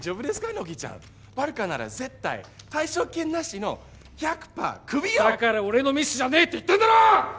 乃木ちゃんバルカなら絶対退職金なしの１００パークビよだから俺のミスじゃねえって言ってんだろ！